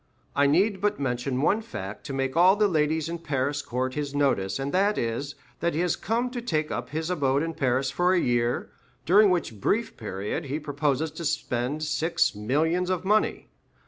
I need but mention one fact to make all the ladies in Paris court his notice, and that is, that he has come to take up his abode in Paris for a year, during which brief period he proposes to spend six millions of money.